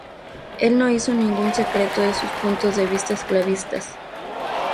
Él no hizo ningún secreto de sus puntos de vista esclavistas.